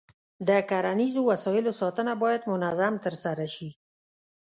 د کرنیزو وسایلو ساتنه باید منظم ترسره شي.